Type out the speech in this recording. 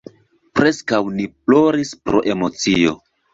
Preskaŭ ni ploris pro emocio.